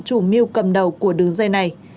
chủ mưu cầm đầu của đường dây này